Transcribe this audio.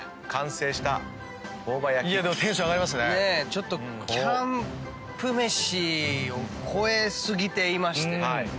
ちょっとキャンプ飯を超え過ぎていまして。